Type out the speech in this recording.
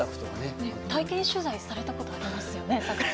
体験取材されたことありますよね。